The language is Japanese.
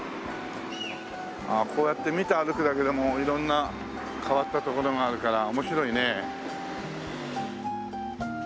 こうやって見て歩くだけでも色んな変わった所があるから面白いね。